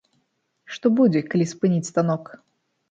Што будзе, калі спыніць станок?